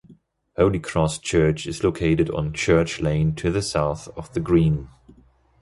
Holy Cross Church is located on Church Lane to the south of the green.